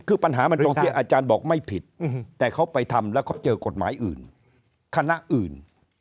คือปัญหามันตรงที่อาจารย์บอกไม่ผิดแต่เขาไปทำแล้วเขาเจอกฎหมายอื่นคณะอื่น